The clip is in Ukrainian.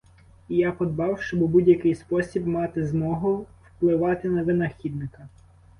І я подбав, щоб у будь-який спосіб мати змогу впливати на винахідника.